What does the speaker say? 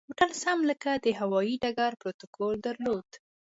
هوټل سم لکه د هوایي ډګر پروتوکول درلود.